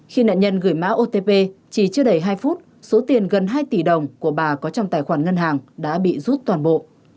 khi nạn nhân gửi mã otp chỉ chưa đầy hai phút số tiền gần hai tỷ đồng của bà có trong tài khoản ngân hàng đã bị rút toàn bộ